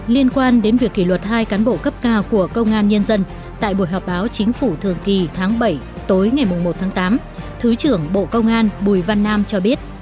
liên quan đến việc kỷ luật hai cán bộ cấp cao của công an nhân dân tại buổi họp báo chính phủ thường kỳ tháng bảy tối ngày một tháng tám thứ trưởng bộ công an bùi văn nam cho biết